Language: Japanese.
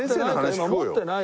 今持ってない。